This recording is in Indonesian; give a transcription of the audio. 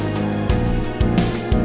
menjaga kemampuan bapak